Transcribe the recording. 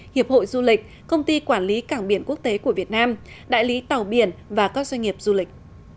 hiệp hội du lịch công ty quản lý cảng biển quốc tế của việt nam đại lý tàu biển và các doanh nghiệp du lịch